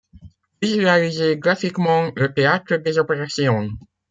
Visualiser graphiquement le théâtre des opérations.